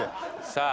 さあ